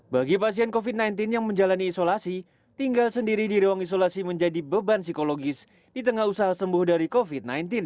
bagi pasien covid sembilan belas yang menjalani isolasi tinggal sendiri di ruang isolasi menjadi beban psikologis di tengah usaha sembuh dari covid sembilan belas